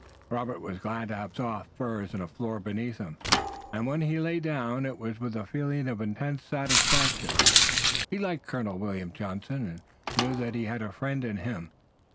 Robert was glad to have soft furs and a floor beneath him, and when he lay down it was with a feeling of intense satisfaction. He liked Colonel William Johnson, and knew that he had a friend in him.